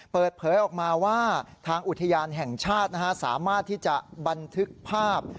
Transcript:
เปิดเผยออกมาว่าทางอุทยานแห่งชาติสามารถที่จะบันทึกภาพ